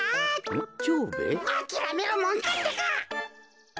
あきらめるもんかってか。